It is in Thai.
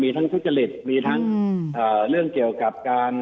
ทั้งทุจริตมีทั้งเรื่องเกี่ยวกับการ